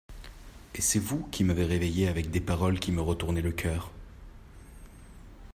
Et c'est vous qui m'avez reveillée avec des paroles qui me retournaient le coeur.